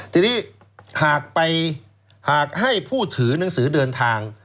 ทีนี้หากไปหากให้ผู้ถือหนังสือเดินทาง